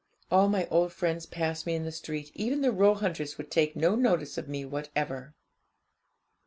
All my old friends passed me in the street even the Roehunters would take no notice of me whatever.